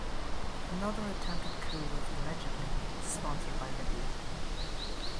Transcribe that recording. Another attempted coup was allegedly sponsored by Libya.